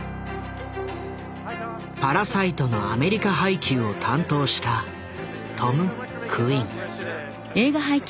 「パラサイト」のアメリカ配給を担当したトム・クイン。